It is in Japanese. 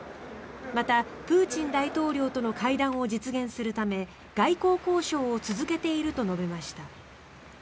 またプーチン大統領との会談を実現するため外交交渉を続けていると述べました。